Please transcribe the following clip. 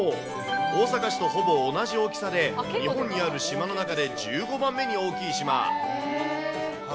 大阪市とほぼ同じ大きさで、日本にある島の中で１５番目に大きい島。